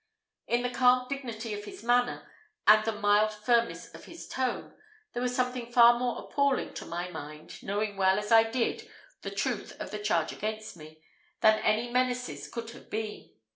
In the calm dignity of his manner, and the mild firmness of his tone, there was something far more appalling to my mind, knowing well, as I did, the truth of the charge against me, than any menaces could have been.